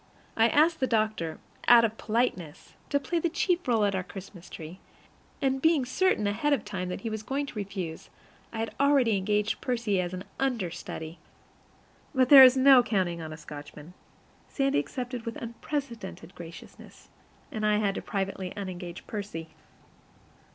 I asked the doctor, out of politeness, to play the chief role at our Christmas tree; and being certain ahead of time that he was going to refuse, I had already engaged Percy as an understudy. But there is no counting on a Scotchman. Sandy accepted with unprecedented graciousness, and I had privately to unengage Percy!